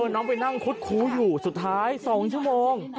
น้องไปนั่งคุดคู้อยู่สุดท้าย๒ชั่วโมง